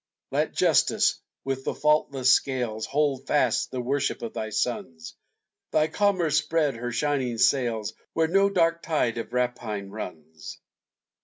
Let Justice, with the faultless scales, Hold fast the worship of thy sons; Thy Commerce spread her shining sails Where no dark tide of rapine runs!